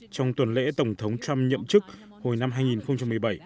trong tuần lễ tổng thống trump nhậm chức hồi năm hai nghìn một mươi bảy